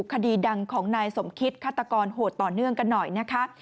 คดีดังของนายสมคิตฆาตกรโหดต่อเนื่องกันหน่อยนะคะ